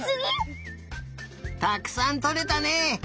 たくさんとれたね。